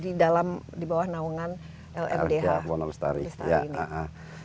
di dalam di bawah naungan lmdh yang di dalam dibawah naungan lmdh yang di dalam dibawah naungan lmdh